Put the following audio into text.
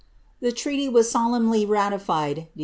The treaty was solemnly ratified, Dec.